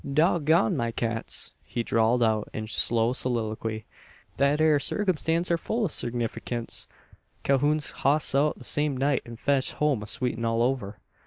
"Dog gone my cats!" he drawled out in slow soliloquy. "Thet ere sarkimstance are full o' signiferkince. Calhoun's hoss out the same night, an fetched home a' sweetin' all over.